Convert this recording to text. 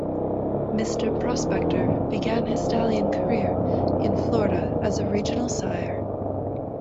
Mr. Prospector began his stallion career in Florida as a regional sire.